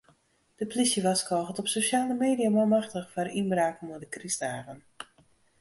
De plysje warskôget op sosjale media manmachtich foar ynbraken mei de krystdagen.